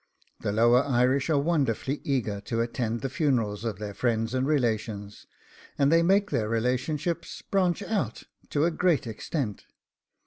The lower Irish are wonderfully eager to attend the funerals of their friends and relations, and they make their relationships branch out to a great extent.